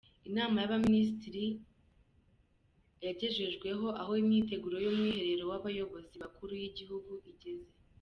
Inama y’Abaminisitiri yagejejweho aho imyiteguro y’Umwiherero w’Abayobozi Bakuru b’Igihugu igeze.